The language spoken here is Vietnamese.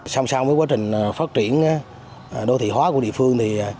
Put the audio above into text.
song song với quá trình phát triển đô thị hóa của địa phương thì